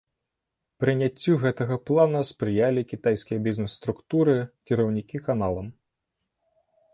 Прыняццю гэтага плана спрыялі кітайскія бізнес-структуры, кіраўнікі каналам.